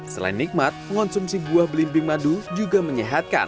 selain nikmat mengonsumsi buah belimbing madu juga menyehatkan